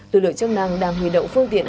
tư lượng chống năng đang huy động phương tiện